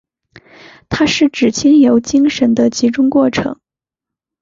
它是指经由精神的集中过程。